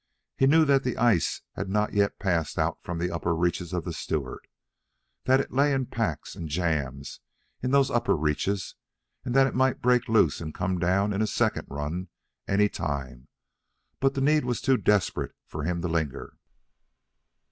He knew that the ice had not yet passed out from the upper reaches of the Stewart, that it lay in packs and jams in those upper reaches, and that it might break loose and come down in a second run any time; but the need was too desperate for him to linger.